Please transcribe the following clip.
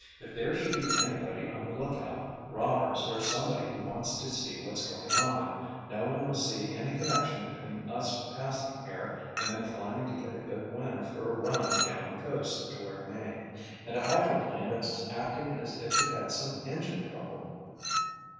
"If there should be anybody on the lookout—robbers or somebody who wants to see what's going on—no one will see any connection between us passing here and then climbing to get a good wind for a run down the coast toward Maine, and a hydroplane that's acting as if it had some engine trouble."